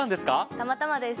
たまたまです。